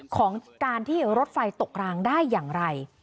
ของการที่รถไฟตกรางได้อย่างไร